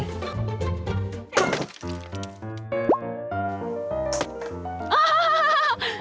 เฮ่ย